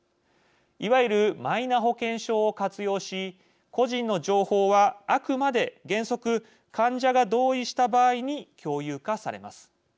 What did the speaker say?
いわゆるマイナ保険証を活用し個人の情報はあくまで原則患者が同意した場合に共有化されます。